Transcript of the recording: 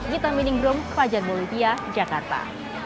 yuta miningrum kepajar bolivia jakarta